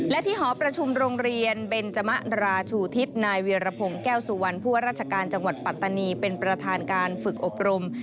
และที่หอประชุมโรงเรียนเบนจมะราชูทิศนายเวียรพงศ์แก้วสุวรรณผู้ว่าราชการจังหวัดปัตตานีเป็นประธานการฝึกอบรม